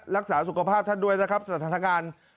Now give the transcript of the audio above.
รักษาสุขภาพท่านด้วยนะครับสถานการณ์